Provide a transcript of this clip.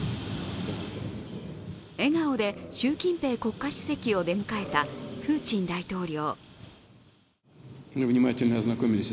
笑顔で習近平国家主席を出迎えたプーチン大統領。